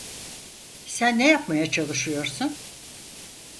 Sen ne yapmaya çalışıyorsun?